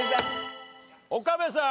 岡部さん。